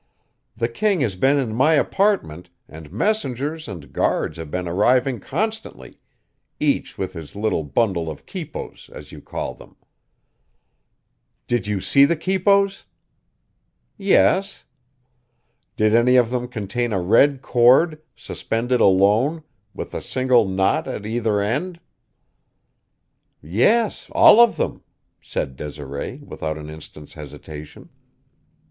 The king has been in my apartment, and messengers and guards have been arriving constantly, each with his little bundle of quipos, as you call them." "Did you see the quipos?" "Yes." "Did any of them contain a red cord, suspended alone, with a single knot at either end?" "Yes, all of them," said Desiree without an instant's hesitation.